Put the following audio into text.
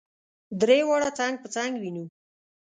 درې واړه څنګ په څنګ وینو.